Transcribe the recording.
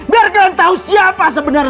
biar kalian tahu siapa sebenarnya